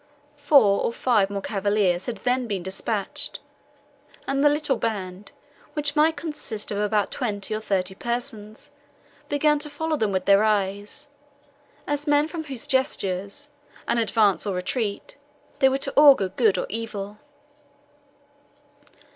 Four or five more cavaliers had then been dispatched, and the little band, which might consist of about twenty or thirty persons, began to follow them with their eyes, as men from whose gestures, and advance or retreat, they were to augur good or evil.